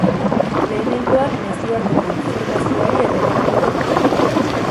Lehenengoak nazioarteko informazioari erreparatuko dio.